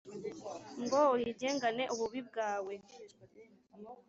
ngo uyigengane ububi bwawe